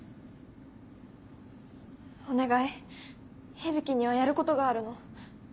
お願い響にはやることがあるの。